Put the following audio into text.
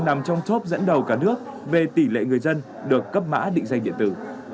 nằm trong chốt dẫn đầu cả nước về tỷ lệ người dân được cấp mã định danh điện tử